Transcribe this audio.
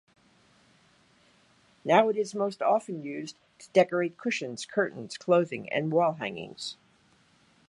Now it is most often used to decorate cushions, curtains, clothing and wall hangings.